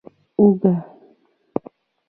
🧄 اوږه